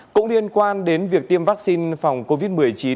cũng liên quan đến việc tiêm vaccine phòng covid một mươi chín